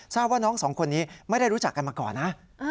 ทราบว่าน้องสองคนนี้ไม่ได้รู้จักกันมาก่อนนะ